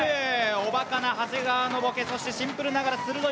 おばかな長谷川のボケ、そしてシンプルながら鋭い